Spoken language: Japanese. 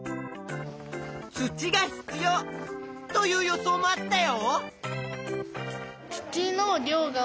「土が必要」という予想もあったよ。